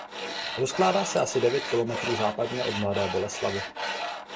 Rozkládá se asi devět kilometrů západně od Mladé Boleslavi.